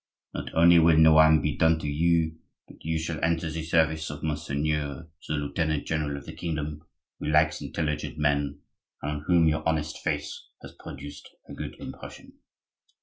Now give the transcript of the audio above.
Not only will no harm be done to you, but you shall enter the service of Monseigneur the lieutenant general of the kingdom, who likes intelligent men and on whom your honest face has produced a good impression.